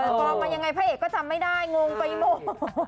ปลอมมายังไงพระเอกก็จำไม่ได้งงไปหมด